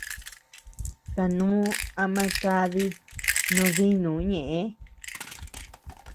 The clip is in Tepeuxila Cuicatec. Kanuu ama kadi noo dinuu ñeʼë.